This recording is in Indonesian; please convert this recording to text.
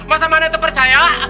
masa mana terpercaya